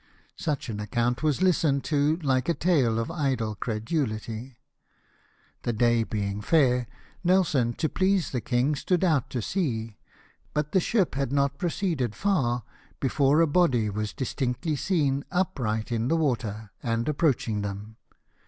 Such an account was listened to like a tale of idle credulit}^ The day being fair, Nelson, to please the king, stood out to sea, but the ship had not proceeded far before a BURIAL OF CARACCIOLL 189 body was distinctly seen, upright in the water, and approaching them.